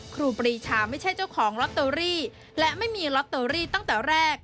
ครูปรีชาไม่ใช่เจ้าของลอตเตอรี่และไม่มีลอตเตอรี่ตั้งแต่แรก